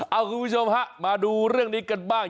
เอาคุณผู้ชมฮะมาดูเรื่องนี้กันบ้าง